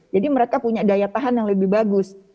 jadi mereka punya daya tahan yang lebih bagus